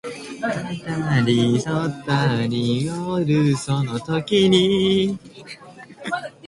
Compulsory standards of weights and measures go back as far as Magna Carta.